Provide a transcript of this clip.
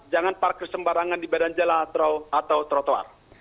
jangan parkir sembarangan di badan jalan atau trotoar